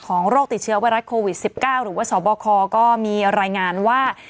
โรคติดเชื้อไวรัสโควิด๑๙หรือว่าสบคก็มีรายงานว่า